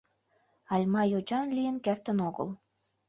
Альма йочан лийын кертын огыл.